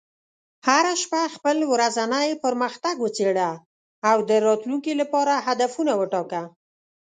هره شپه خپل ورځنی پرمختګ وڅېړه، او د راتلونکي لپاره هدفونه وټاکه.